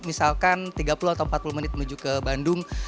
misalkan tiga puluh atau empat puluh menit menuju ke bandung